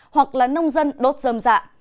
hoặc là nông dân đốt dơm dạ